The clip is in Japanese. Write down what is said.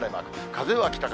風は北風。